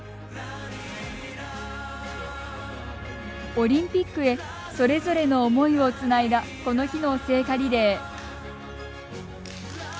オリンピックへそれぞれの思いをつないだこの日の聖火リレー。